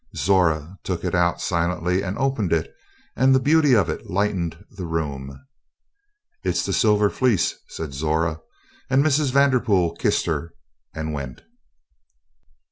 Zora took it out silently and opened it and the beauty of it lightened the room. "It is the Silver Fleece," said Zora, and Mrs. Vanderpool kissed her and went.